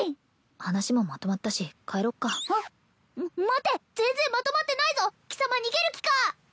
話もまとまったし帰ろっかあっ待て全然まとまってないぞ貴様逃げる気か！